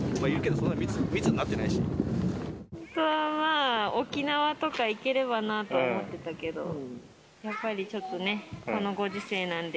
本当は沖縄とか行ければなと思ってたけど、やっぱりちょっとね、このご時世なんで。